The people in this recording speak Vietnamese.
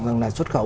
rằng là xuất khẩu